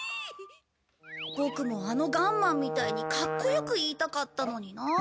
僕も、あのガンマンみたいに格好良く言いたかったのにな。